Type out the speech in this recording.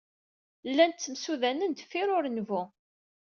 Llan ttemsudanen deffir urenbu.